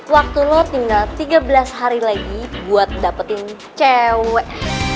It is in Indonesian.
waktu kamu tinggal tiga belas hari lagi untuk mendapatkan cewek